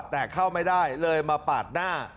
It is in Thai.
แต่เข้าไม่ได้เลยมาปาดหน้า